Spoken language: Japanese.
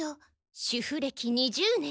主婦歴２０年。